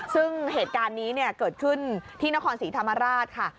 ซึ่งเหตุการณ์นี้เกิดขึ้นที่นครศรีธรรมราชค่ะ